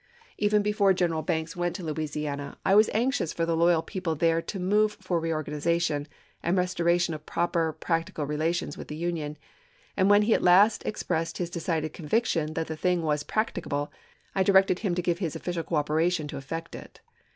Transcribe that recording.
Even before General Banks went to Louisiana I was anxious for the loyal people there to move for reorgani zation, and restoration of proper practical relations with the Union ; and when he at last expressed his decided conviction that the thing was practicable, I directed him to give his official cooperation to effect it.